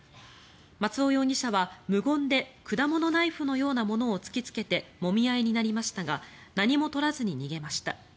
松尾容疑者は無言で果物ナイフのようなものを突きつけてもみ合いになりましたが何も取らずに逃げました。